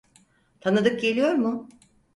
Tanıdık geliyor mu?